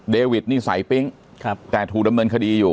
เดวิทนี่ใส่ปิ๊งแต่ถูดำเนินคดีอยู่